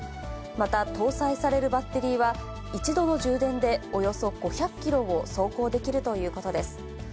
また搭載されるバッテリーは、１度の充電でおよそ５００キロを走行できるということです。